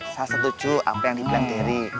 saya setuju apa yang dibilang dery